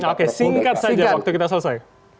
oke singkat saja waktu kita selesai